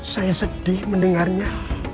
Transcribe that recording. saya sedih mendengarnya